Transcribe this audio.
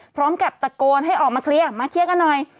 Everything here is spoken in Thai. พร้อมกับตะโกนให้ออกมาเคลียร์มาเคลียร์กันหน่อย